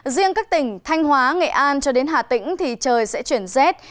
riêng các tỉnh thanh hóa nghệ an cho đến hà tĩnh thì trời sẽ chuyển rét